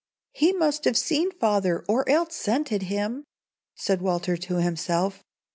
"He must have seen father, or else scented him," said Walter to himself.